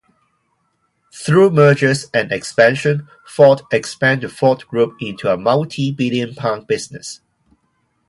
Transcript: Through mergers and expansion, Forte expanded the Forte Group into a multibillion-pound business.